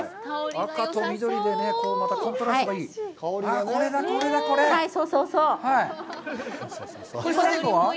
赤と緑でコントラストがいい。